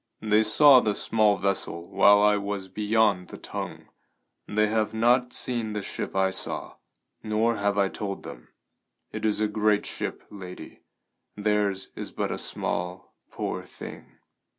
"They saw the small vessel while I was beyond the Tongue. They have not seen the ship I saw, nor have I told them. It is a great ship, lady; theirs is but a small, poor thing."